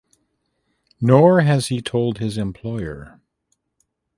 Nor has he told his employer.